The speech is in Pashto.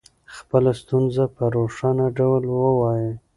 خپله ستونزه په روښانه ډول ووایئ.